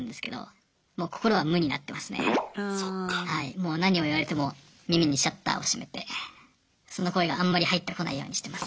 もう何を言われても耳にシャッターを閉めてその声があんまり入ってこないようにしてます。